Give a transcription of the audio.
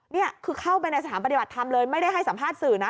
นี่คือเข้าไปในสถานปฏิบัติธรรมเลยไม่ได้ให้สัมภาษณ์สื่อนะ